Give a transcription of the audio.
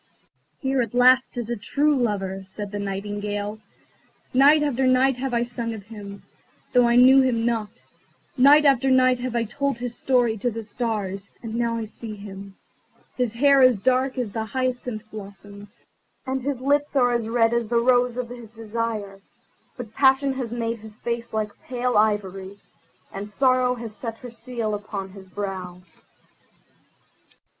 "Here at last is a true lover," said the Nightingale. "Night after night have I sung of him, though I knew him not: night after night have I told his story to the stars, and now I see him. His hair is dark as the hyacinth blossom, and his lips are red as the rose of his desire; but passion has made his face like pale ivory, and sorrow has set her seal upon his brow."